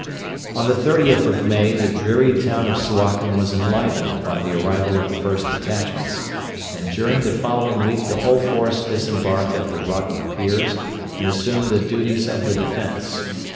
On the 30th of May the dreary town of Suakin was enlivened by the arrival of the first detachments, and during the following week the whole force disembarked at the rotten piers and assumed the duties of the defence.